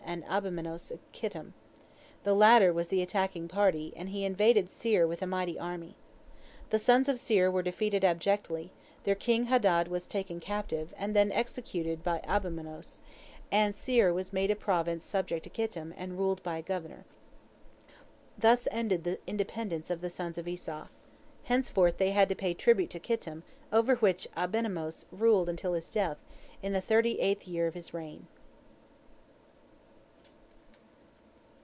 and Abimenos of Kittim. The latter was the attacking party, and he invaded Seir with a mighty army. The sons of Seir were defeated abjectly, their king Hadad was taken captive, and then executed by Abimenos, and Seir was made a province subject to Kittim and ruled by a governor. Thus ended the independence of the sons of Esau. Henceforth they had to pay tribute to Kittim, over which Abimenos ruled until his death, in the thirty eighth year of his reign.